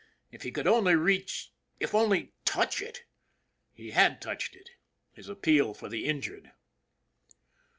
If he could only reach it only touch it. He had touched it. His appeal for the injured.